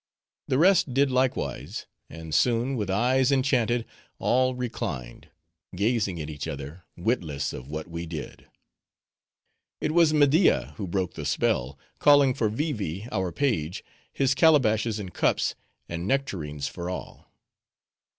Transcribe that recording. The rest did likewise; and soon, with eyes enchanted, all reclined: gazing at each other, witless of what we did. It was Media who broke the spell; calling for Vee Vee our page, his calabashes and cups, and nectarines for all.